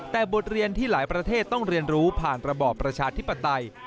แต่บทเรียนที่หลายประเทศต้องเรียนรู้ผ่านระบอบประชาธิปไตย